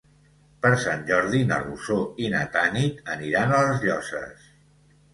Per Sant Jordi na Rosó i na Tanit aniran a les Llosses.